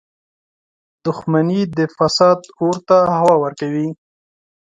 • دښمني د فساد اور ته هوا ورکوي.